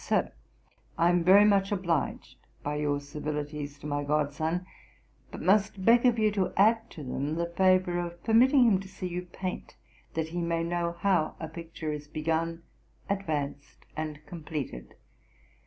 'SIR, 'I am very much obliged by your civilities to my god son, but must beg of you to add to them the favour of permitting him to see you paint, that he may know how a picture is begun, advanced and completed.